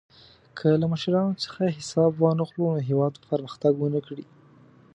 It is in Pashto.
که له مشرانو څخه حساب وانخلو، نو هېواد به پرمختګ ونه کړي.